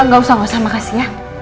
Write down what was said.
gak usah gak usah makasih ya